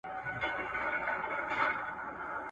له کاروبار سره مینه مه سړوه.